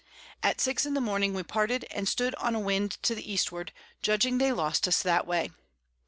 At 6 in the Morning we parted, and stood on a Wind to the Eastward, judging they lost us that way.